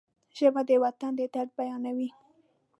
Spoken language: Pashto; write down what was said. ژبه د وطن د درد بیانوي